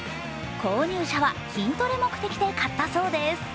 購入者は筋トレ目的で買ったそうです。